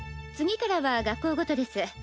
次からは学校ごとです。